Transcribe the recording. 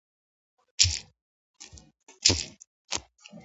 . په جرګه کي هیڅکله په یوه لوري ظلم نه کيږي.